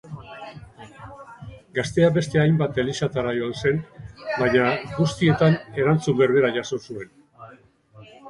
Gaztea beste hainbat elizatara joan zen, baina guztietan erantzun berbera jaso zuen.